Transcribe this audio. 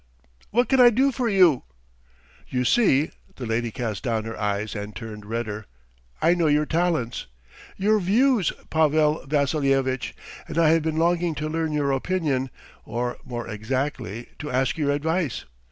er er er What can I do for you?" "You see ... (the lady cast down her eyes and turned redder) I know your talents ... your views, Pavel Vassilyevitch, and I have been longing to learn your opinion, or more exactly ... to ask your advice.